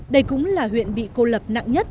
đây cũng là huyện bị cô lập nặng nhất